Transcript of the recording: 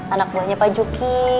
anak buahnya pak juki